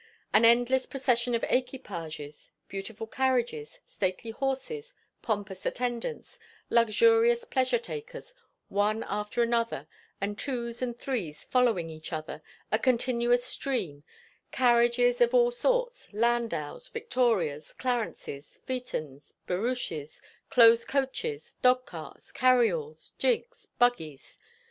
An endless procession of equipages beautiful carriages, stately horses, pompous attendants, luxurious pleasure takers; one after another, and twos and threes following each other, a continuous stream; carriages of all sorts, landaus, Victorias, clarences, phaetons, barouches, close coaches, dog carts, carryalls, gigs, buggies.